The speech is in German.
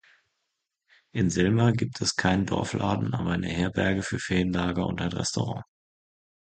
In Selma gibt es keinen Dorfladen, aber eine Herberge für Ferienlager und ein Restaurant.